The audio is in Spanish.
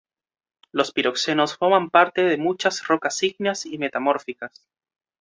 Los piroxenos forman parte de muchas rocas ígneas y metamórficas.